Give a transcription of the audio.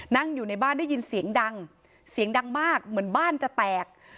นั่งอยู่ในบ้านได้ยินเสียงดังเสียงดังมากเหมือนบ้านจะแตก